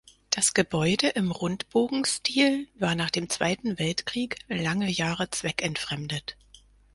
Das Gebäude im Rundbogenstil war nach dem Zweiten Weltkrieg lange Jahre zweckentfremdet.